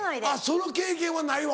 その経験はないわ